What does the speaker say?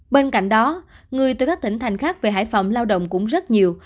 bên cạnh đó người từ các tỉnh thành khác về hải phòng lao động cũng rất nhiều